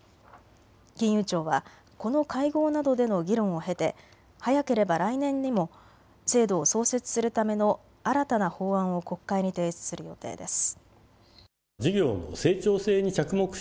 金融庁はこの会合などでの議論を経て早ければ来年にも制度を創設するための新たな法案を国会に提出する予定です。